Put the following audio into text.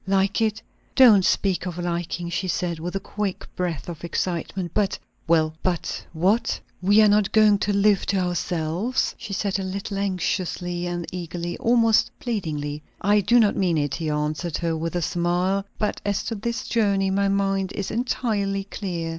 "Like it? Don't speak of liking," she said, with a quick breath of excitement. "But " "Well? But what?" "We are not going to live to ourselves?" She said it a little anxiously and eagerly, almost pleadingly. "I do not mean it," he answered her, with a smile. "But as to this journey my mind is entirely clear.